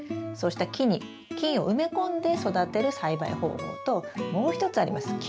そうした木に菌を埋め込んで育てる栽培方法ともう一つあります。